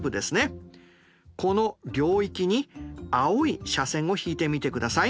この領域に青い斜線を引いてみてください。